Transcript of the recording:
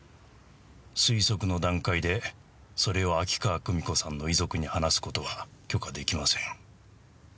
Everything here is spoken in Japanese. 推測の段階でそれを秋川久美子さんの遺族に話す事は許可できません。